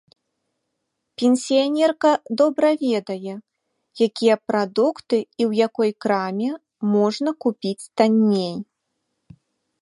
Пенсіянерка добра ведае, якія прадукты і ў якой краме можна купіць танней.